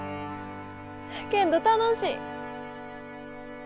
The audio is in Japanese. けんど楽しい！